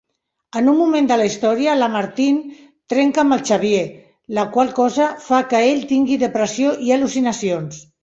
En un moment de la història, la Martine trenca amb el Xavier, la qual cosa fa que ell tingui depressió i al·lucinacions.